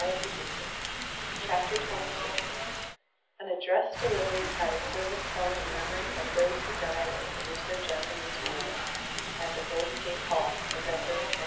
Digitized by Google AN ADDRESS DELIVERED AT A SERVICE HELD IN MEMORY OF THOSE WHO DIED IN THE RUSSO JAPANESE WAR (At the Golden Gate Hall, November, 1905.)